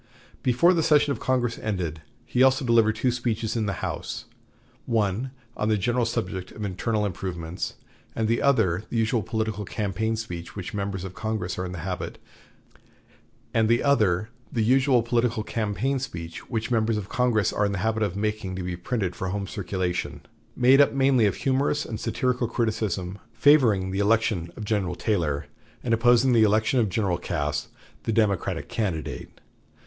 Before the session of Congress ended he also delivered two speeches in the House one on the general subject of internal improvements, and the other the usual political campaign speech which members of Congress are in the habit of making to be printed for home circulation; made up mainly of humorous and satirical criticism, favoring the election of General Taylor, and opposing the election of General Cass, the Democratic candidate.